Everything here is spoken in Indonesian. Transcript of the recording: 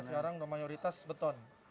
sekarang udah mayoritas beton